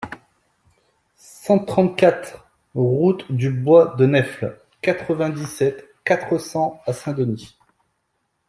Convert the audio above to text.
cent trente-quatre route du Bois de Nèfles, quatre-vingt-dix-sept, quatre cents à Saint-Denis